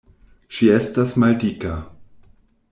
Ŝi estas maldika.